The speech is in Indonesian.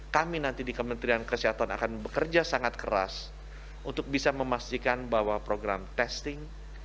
kami nanti di kementerian kesehatan akan bekerja sangat keras untuk bisa memastikan bahwa program testing